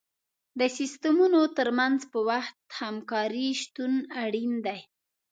د سیستمونو تر منځ په خپل وخت همکاري شتون اړین دی.